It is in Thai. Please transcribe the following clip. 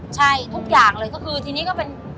ใช่ทุกอย่างเลยก็คือทีนี้ก็เป็น